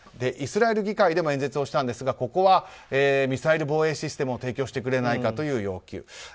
イスラエル議会でも演説をしたんですがミサイル防衛システムを提供してくれないかという要求。